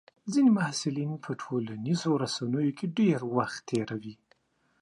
ځینې محصلین په ټولنیزو رسنیو کې ډېر وخت تېروي.